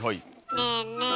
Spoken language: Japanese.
ねえねえ